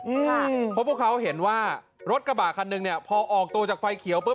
เพราะพวกเขาเห็นว่ารถกระบะคันหนึ่งเนี่ยพอออกตัวจากไฟเขียวปุ๊